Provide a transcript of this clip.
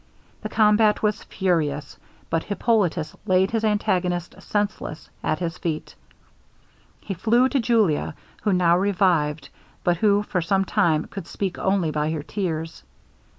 The combat was furious, but Hippolitus laid his antagonist senseless at his feet. He flew to Julia, who now revived, but who for some time could speak only by her tears.